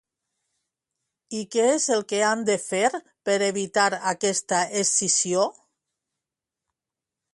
I què és el que han de fer per evitar aquesta escissió?